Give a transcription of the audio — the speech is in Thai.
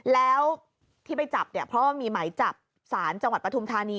แล้วที่ไปจับเนี่ยเพราะว่ามีหมายจับสารจังหวัดปฐุมธานี